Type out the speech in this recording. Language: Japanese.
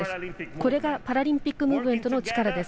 これがパラリンピックムーブメントの力です。